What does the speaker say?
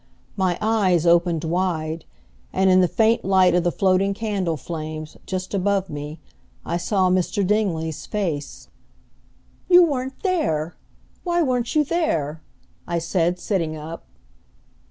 My eyes opened wide, and in the faint light of the floating candle flames, just above me, I saw Mr. Dingley's face. "You weren't there! Why weren't you there?" I said, sitting up.